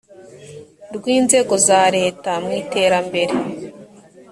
rw inzego za leta mu iterambere